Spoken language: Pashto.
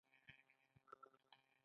غنم د افغانستان تر ټولو مهمه غله ده.